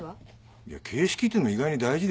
いや形式っていうのも意外に大事でね。